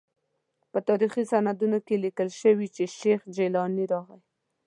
په تاریخي سندونو کې لیکل شوي چې شیخ جیلاني راغی.